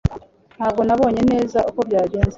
Ntabwo nabonye neza uko byagenze